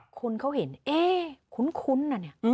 คุณเขาเห็นเคคุ้นอะเนี่ย